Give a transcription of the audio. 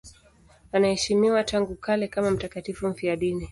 Anaheshimiwa tangu kale kama mtakatifu mfiadini.